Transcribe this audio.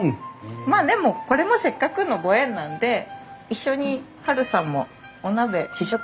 まあでもこれもせっかくのご縁なんで一緒にハルさんもお鍋試食会に参加しません？